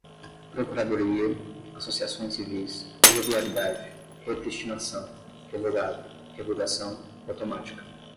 procuradoria, associações civis, irregularidade, repristinação, revogada, revogação, automática